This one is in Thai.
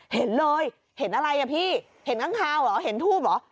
เห็นเลยเห็นอะไรอ่ะพี่เห็นข้างคาวเหรอเห็นทูบเหรอ